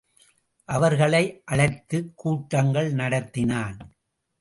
அவர்களை அழைத்துக்கூட்டங்கள் நடத்தினான்.